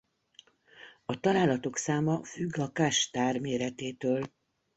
A találatok száma függ a cache-tár méretétől.